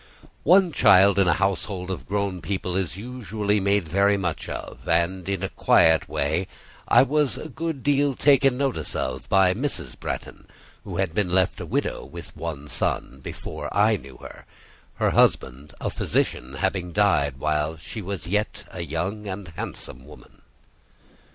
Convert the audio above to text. One child in a household of grown people is usually made very much of, and in a quiet way I was a good deal taken notice of by Mrs. Bretton, who had been left a widow, with one son, before I knew her; her husband, a physician, having died while she was yet a young and handsome woman.